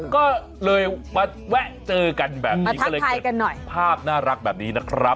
ก็เลยมาแวะเจอกันแบบนี้ก็เลยถ่ายกันหน่อยภาพน่ารักแบบนี้นะครับ